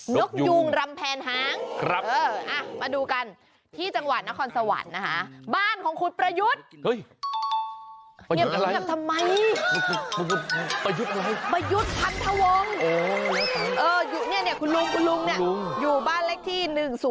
นกยุงลำเพ็ญหางคือลูงเนี่ยอยู่บ้านเล็กที่๑๐๕๑๓๖